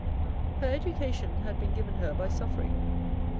Her education had been given her by suffering.